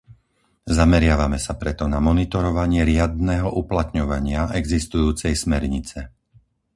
Zameriavame sa preto na monitorovanie riadneho uplatňovania existujúcej smernice.